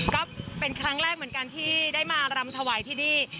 ก็เป็นครั้งแรกเหมือนกันที่ได้มารำถวายที่นี่